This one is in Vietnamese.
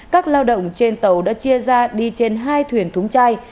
các lao động trên tàu đã chia ra đi trên hai thuyền thúng chai